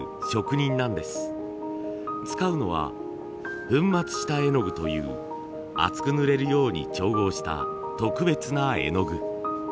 使うのは粉末下絵の具という厚く塗れるように調合した特別な絵の具。